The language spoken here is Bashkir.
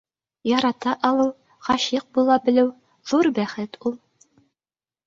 Ярата алыу, ғашиҡ була белеү ҙур бәхет ул